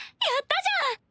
やったじゃん！